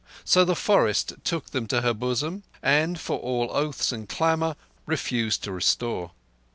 So the forest took them to her bosom, and, for all oaths and clamour, refused to restore.